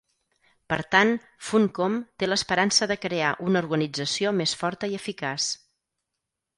Per tant, Funcom té l'esperança de crear una organització més forta i eficaç.